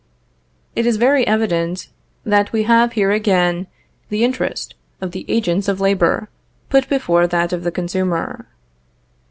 It is very evident that we have here again the interest of the agents of labor put before that of the consumer.